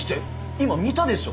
今見たでしょ？